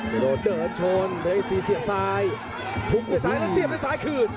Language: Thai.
กระโดดเดินชนเลยสี่เสียบซ้ายทุบด้วยซ้ายแล้วเสียบด้วยซ้ายคืน